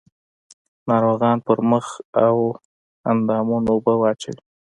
ناروغان پر مخ او اندامونو اوبه واچوي.